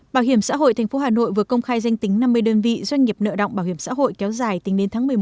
bảo hiểm xã hội tp hà nội vừa công khai danh tính năm mươi đơn vị doanh nghiệp nợ động bảo hiểm xã hội kéo dài tính đến tháng một mươi một